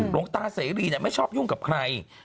หลวงตาเสรีไม่ชอบยุ่งกับใคร